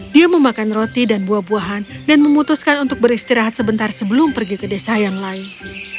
dia memakan roti dan buah buahan dan memutuskan untuk beristirahat sebentar sebelum pergi ke desa yang lain